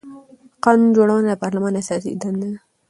قانون جوړونه د پارلمان اساسي دنده ده